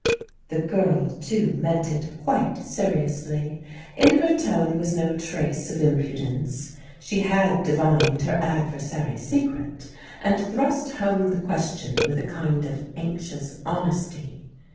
The girl, too, meant it quite seriously. In her tone was no trace of impudence. She had divined her adversary's secret, and thrust home the question with a kind of anxious honesty.